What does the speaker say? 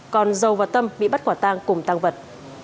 còn dầu và tâm bị bắt quả tang cùng tăng vật